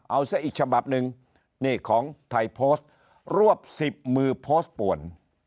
เอาซะอีกฉบับหนึ่งนี่ของไทยโพสต์รวบ๑๐มือโพสต์ป่วน